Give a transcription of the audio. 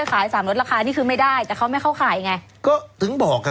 ขายสามรสราคานี่คือไม่ได้แต่เขาไม่เข้าขายไงก็ถึงบอกอ่ะ